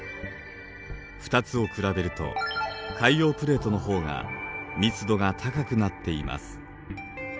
２つを比べると海洋プレートの方が密度が高くなっています。